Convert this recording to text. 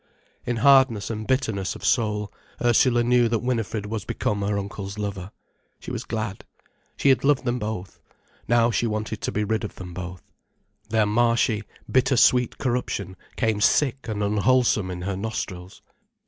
In hardness and bitterness of soul, Ursula knew that Winifred was become her uncle's lover. She was glad. She had loved them both. Now she wanted to be rid of them both. Their marshy, bitter sweet corruption came sick and unwholesome in her nostrils.